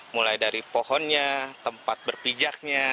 mulai dari pohonnya tempat berpijaknya